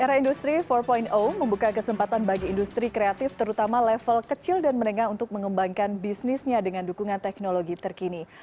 era industri empat membuka kesempatan bagi industri kreatif terutama level kecil dan menengah untuk mengembangkan bisnisnya dengan dukungan teknologi terkini